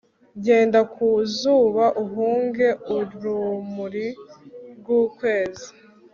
Genda ku zuba uhunge urumuri rwukwezi